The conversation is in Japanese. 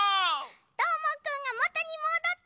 どーもくんがもとにもどった！